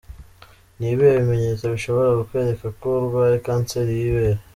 Ni ibihe bimenyetso bishobora kukwereka ko urwaye kanseri y’ibere?.